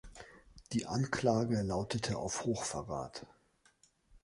Die Anklage lautete auf Hochverrat.